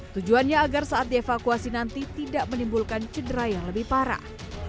tujuannya agar saat dievakuasi nanti tidak menimbulkan cedera yang lebih parah